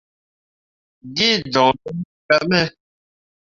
Gee joŋra yeb gah me.